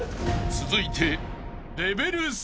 ［続いて］